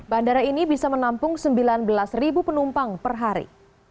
bandara ini bisa menampung sembilan belas penumpang per hari